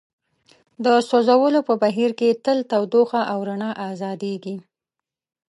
د سوځولو په بهیر کې تل تودوخه او رڼا ازادیږي.